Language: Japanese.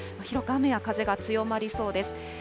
広く雨や風が強まりそうです。